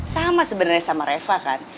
sama sebenarnya sama reva kan